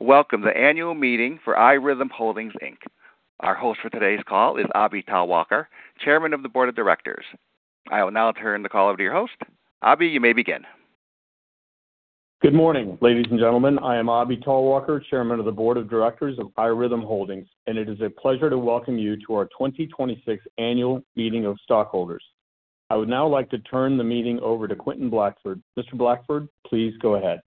Welcome to the annual meeting for iRhythm Holdings, Inc. Our host for today's call is Abhijit Talwalkar, chairman of the board of directors. I will now turn the call over to your host. Abhijit, you may begin. Good morning, ladies and gentlemen. I am Abhijit Talwalkar, Chairman of the Board of Directors of iRhythm Holdings, and it is a pleasure to welcome you to our 2026 annual meeting of stockholders. I would now like to turn the meeting over to Quentin Blackford. Mr. Blackford, please go ahead.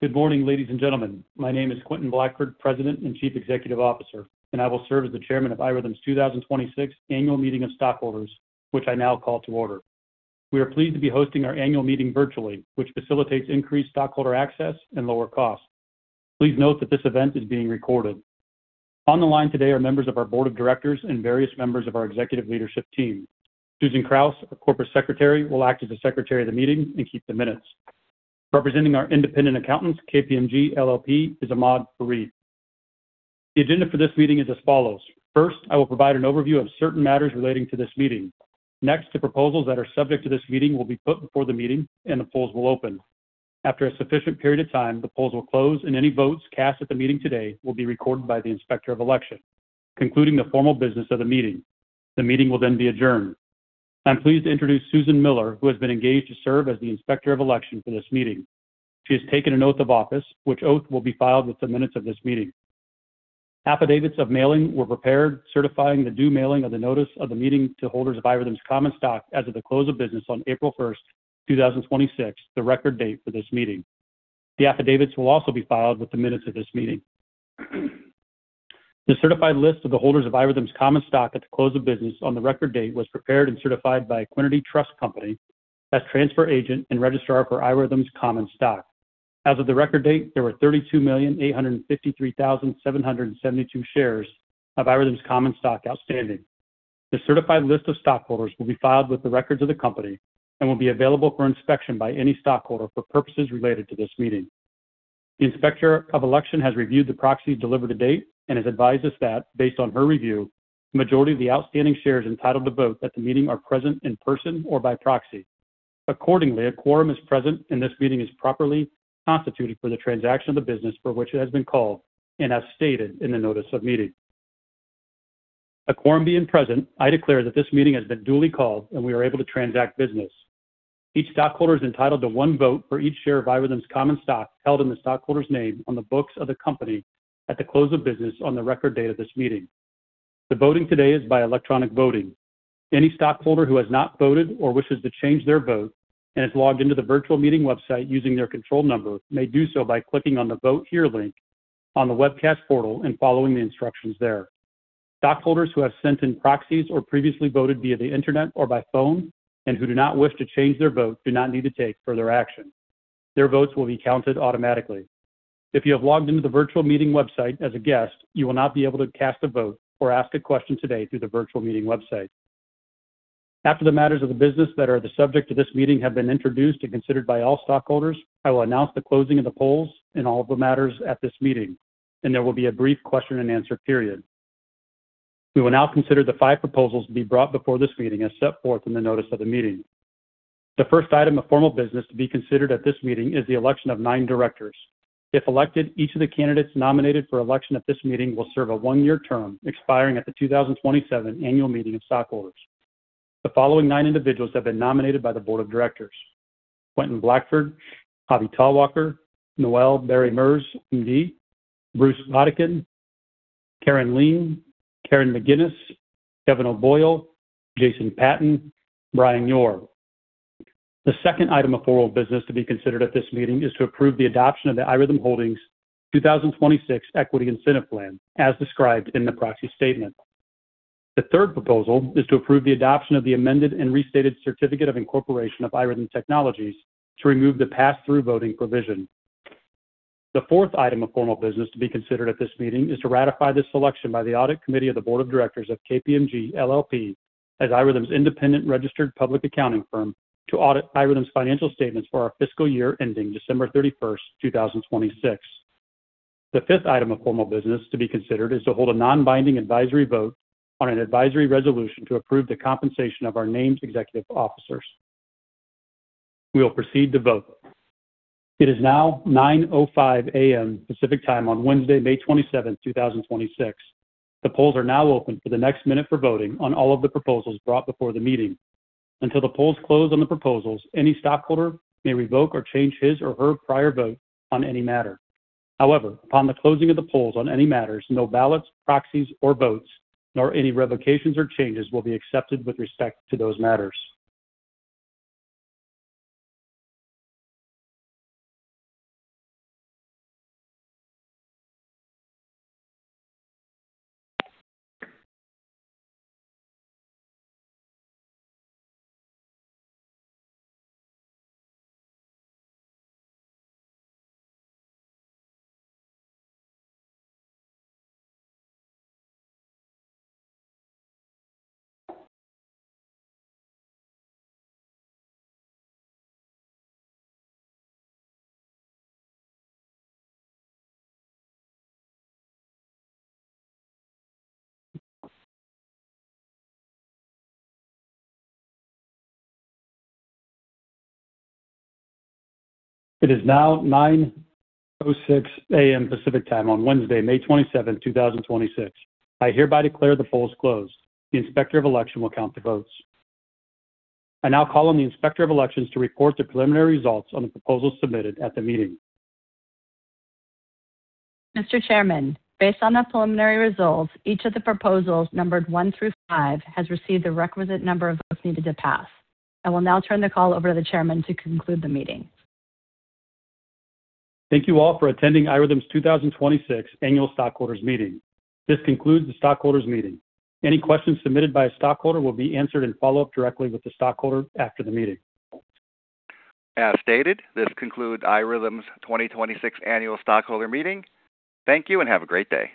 Good morning, ladies and gentlemen. My name is Quentin Blackford, President and Chief Executive Officer, and I will serve as the Chairman of iRhythm's 2026 annual meeting of stockholders, which I now call to order. We are pleased to be hosting our annual meeting virtually, which facilitates increased stockholder access and lower costs. Please note that this event is being recorded. On the line today are members of our Board of Directors and various members of our executive leadership team. Susan Kraus, our Corporate Secretary, will act as the Secretary of the meeting and keep the minutes. Representing our independent accountants, KPMG LLP, is Emad Fareed. The agenda for this meeting is as follows. First, I will provide an overview of certain matters relating to this meeting. Next, the proposals that are subject to this meeting will be put before the meeting, and the polls will open. After a sufficient period of time, the polls will close, and any votes cast at the meeting today will be recorded by the Inspector of Election, concluding the formal business of the meeting. The meeting will then be adjourned. I'm pleased to introduce Susan Miller, who has been engaged to serve as the Inspector of Election for this meeting. She has taken an oath of office, which oath will be filed with the minutes of this meeting. Affidavits of mailing were prepared certifying the due mailing of the notice of the meeting to holders of iRhythm's common stock as of the close of business on April 1st, 2026, the record date for this meeting. The affidavits will also be filed with the minutes of this meeting. The certified list of the holders of iRhythm's common stock at the close of business on the record date was prepared and certified by Equiniti Trust Company as transfer agent and registrar for iRhythm's common stock. As of the record date, there were 32,853,772 shares of iRhythm's common stock outstanding. The certified list of stockholders will be filed with the records of the company and will be available for inspection by any stockholder for purposes related to this meeting. The Inspector of Election has reviewed the proxies delivered to date and has advised us that based on her review, the majority of the outstanding shares entitled to vote at the meeting are present in person or by proxy. Accordingly, a quorum is present, and this meeting is properly constituted for the transaction of the business for which it has been called and as stated in the notice of meeting. A quorum being present, I declare that this meeting has been duly called, and we are able to transact business. Each stockholder is entitled to one vote for each share of iRhythm's common stock held in the stockholder's name on the books of the company at the close of business on the record date of this meeting. The voting today is by electronic voting. Any stockholder who has not voted or wishes to change their vote and is logged into the virtual meeting website using their control number may do so by clicking on the Vote Here link on the webcast portal and following the instructions there. Stockholders who have sent in proxies or previously voted via the internet or by phone and who do not wish to change their vote do not need to take further action. Their votes will be counted automatically. If you have logged into the virtual meeting website as a guest, you will not be able to cast a vote or ask a question today through the virtual meeting website. After the matters of the business that are the subject of this meeting have been introduced and considered by all stockholders, I will announce the closing of the polls and all of the matters at this meeting, and there will be a brief question and answer period. We will now consider the five proposals to be brought before this meeting as set forth in the notice of the meeting. The first item of formal business to be considered at this meeting is the election of nine directors. If elected, each of the candidates nominated for election at this meeting will serve a one-year term expiring at the 2027 annual meeting of stockholders. The following nine individuals have been nominated by the board of directors: Quentin Blackford, Abhijit Talwalkar, Noel Bairey Merz, MD, Bruce Bodaken, Karen Ling, Karen McGinnis, Kevin O'Boyle, Jason Patten, Brian Yoor. The second item of formal business to be considered at this meeting is to approve the adoption of the iRhythm 2026 Equity Incentive Plan as described in the proxy statement. The third proposal is to approve the adoption of the amended and restated certificate of incorporation of iRhythm Technologies to remove the pass-through voting provision. The fourth item of formal business to be considered at this meeting is to ratify the selection by the audit committee of the board of directors of KPMG LLP as iRhythm's independent registered public accounting firm to audit iRhythm's financial statements for our fiscal year ending December 31st, 2026. The fifth item of formal business to be considered is to hold a non-binding advisory vote on an advisory resolution to approve the compensation of our named executive officers. We will proceed to vote. It is now 9:05 A.M. Pacific Time on Wednesday, May 27th, 2026. The polls are now open for the next minute for voting on all of the proposals brought before the meeting. Until the polls close on the proposals, any stockholder may revoke or change his or her prior vote on any matter. However, upon the closing of the polls on any matters, no ballots, proxies, or votes, nor any revocations or changes will be accepted with respect to those matters. It is now 9:06 A.M. Pacific Time on Wednesday, May 27th, 2026. I hereby declare the polls closed. The Inspector of Election will count the votes. I now call on the Inspector of Election to report the preliminary results on the proposals submitted at the meeting. Mr. Chairman, based on the preliminary results, each of the proposals numbered one through five has received the requisite number of votes needed to pass. I will now turn the call over to the Chairman to conclude the meeting. Thank you all for attending iRhythm's 2026 annual stockholders meeting. This concludes the stockholders meeting. Any questions submitted by a stockholder will be answered in follow-up directly with the stockholder after the meeting. As stated, this concludes iRhythm's 2026 annual stockholder meeting. Thank you and have a great day.